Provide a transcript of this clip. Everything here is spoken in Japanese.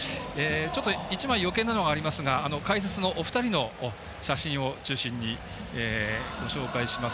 ちょっと１枚よけいなのがありますが解説のお二人の写真を中心にご紹介します。